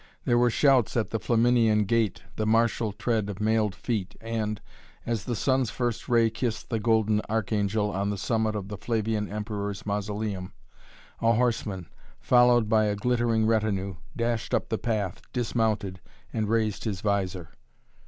There were shouts at the Flaminian gate, the martial tread of mailed feet and, as the sun's first ray kissed the golden Archangel on the summit of the Flavian Emperor's mausoleum, a horseman, followed by a glittering retinue, dashed up the path, dismounted and raised his visor.